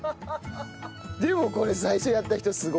でも最初これやった人すごい。